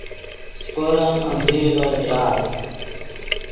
سیکورن املیرغے درآت